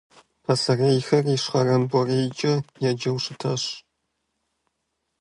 Пасэрейхэр ищхъэрэм БорейкӀэ еджэу щытащ.